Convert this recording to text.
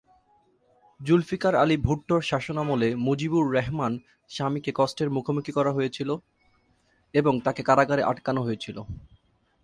জুলফিকার আলী ভুট্টোর শাসনামলে মুজিব-উর-রেহমান স্বামীকে কষ্টের মুখোমুখি করা হয়েছিল এবং তাকে কারাগারে আটকানো হয়েছিল।